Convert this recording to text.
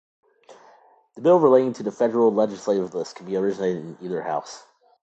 The Bill relating to the Federal Legislative List can be originated in either House.